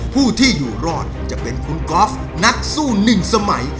ผู้ที่อยู่รอดจะเป็นคุณกอล์ฟนักสู้หนึ่งสมัย